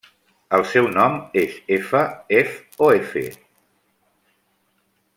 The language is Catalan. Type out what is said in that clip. El seu nom és efa, ef o efe.